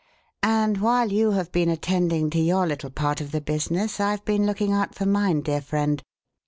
And while you have been attending to your little part of the business I've been looking out for mine, dear friend.